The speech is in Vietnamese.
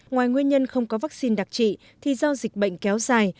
ngoài nguyên nhân không có vaccine đặc trị thì do dịch bệnh kéo dài